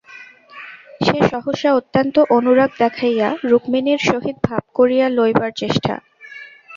সে সহসা অত্যন্ত অনুরাগ দেখাইয়া রুক্মিণীর সহিত ভাব করিয়া লইবার চেষ্টা।